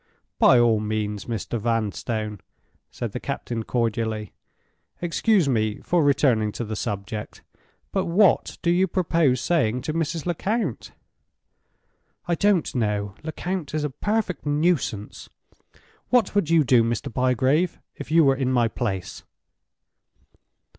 "By all means, Mr. Vanstone," said the Captain, cordially. "Excuse me for returning to the subject—but what do you propose saying to Mrs. Lecount?" "I don't know. Lecount is a perfect nuisance! What would you do, Mr. Bygrave, if you were in my place?"